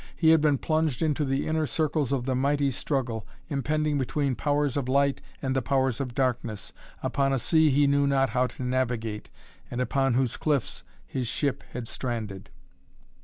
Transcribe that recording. He had been plunged into the inner circles of the mighty struggle, impending between Powers of Light and the Powers of Darkness, upon a sea he knew not how to navigate, and upon whose cliffs his ship had stranded.